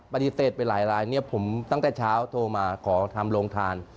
ปฏิเสธไปหลายรายเนี่ยผมตั้งแต่เช้าโทรมาขอทำโรงทาน